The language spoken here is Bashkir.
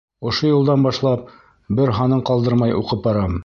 Ошо йылдан башлап бер һанын ҡалдырмай уҡып барам.